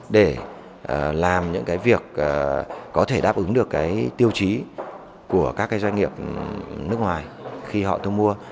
để làm những việc có thể đáp ứng được tiêu chí của các doanh nghiệp nước ngoài khi họ thông mua